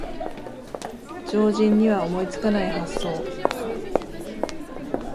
常人には思いつかない発想